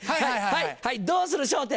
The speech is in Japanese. はいどうする笑点！